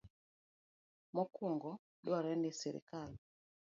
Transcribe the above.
Mokwongo, dwarore ni sirkal